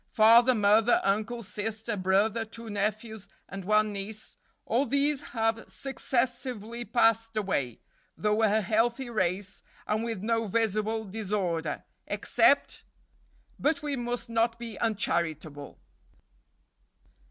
Father, mother, uncle, sister, brother, two nephews, and one niece, all these have successively passed away, though a healthy race, and with no visible disorder except But we must not be uncharitable."